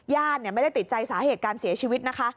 ญาติไม่ได้ติดใจสาเหตุการเสียชีวิตนะคะ